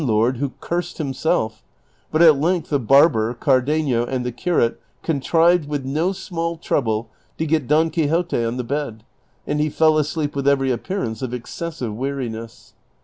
803 lord, who cursed himself ; liiit at length the barber, Cardenio, and the curate contrived with no small trouble to get Don Quixote on the bed, and he fell asleep with every appearance of excessive weariness.